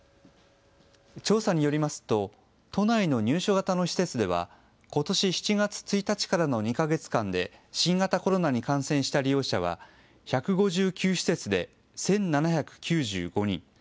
調査によりますと都内の入所型の施設ではことし７月１日からの２か月間で新型コロナに感染した利用者は１５９施設で１７９５人。